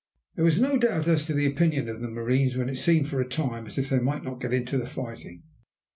There was no doubt as to the opinion of the marines when it seemed for a time as if they might not get into the fighting.